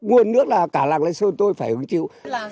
nguồn nước là cả làng lê sơn tôi phải hứng chịu